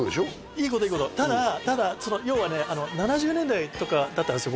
いいこといいことただ要はね７０年代とかだったんですよ